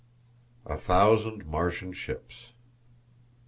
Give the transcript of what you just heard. A Thousand Martian Ships.